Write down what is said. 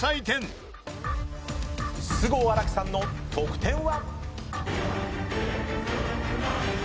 菅生新樹さんの得点は？